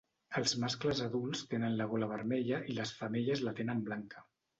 Els mascles adults tenen la gola vermella i les femelles la tenen blanca.